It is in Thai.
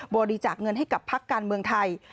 บริจาคเงินให้กับพักการเมืองไทย